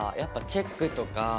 チェックとかね。